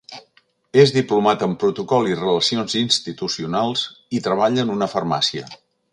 És diplomat en Protocol i Relacions Institucionals i treballa en una farmàcia.